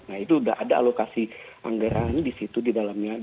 nah itu sudah ada alokasi anggaran di situ di dalamnya